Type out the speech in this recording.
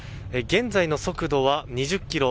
現在の速度は２０キロ。